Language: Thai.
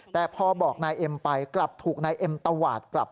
แต่พอบอกนายเอ็มไปกลับถูกนายเอ็มตวาดกลับ